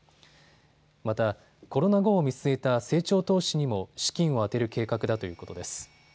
また、コロナ後を見据えた成長投資にも資金を充てる計画だということです。